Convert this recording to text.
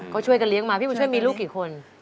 ก็ช่วยกันเลี้ยงมาพี่บุญช่วยมีลูกกี่คน